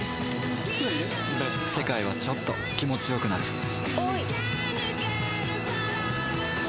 世界はちょっと気持ちよくなる